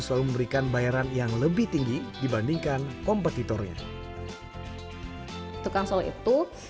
selalu memberikan bayaran yang lebih tinggi dibandingkan kompetitornya itu kan soal itu